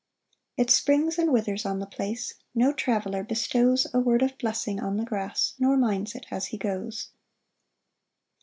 9 It springs and withers on the place: No traveller bestows A word of blessing on the grass, Nor minds it as he goes.